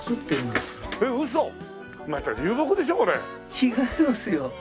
違いますよ。